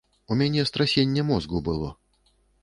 У мяне страсенне мозгу было.